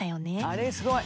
あれすごい。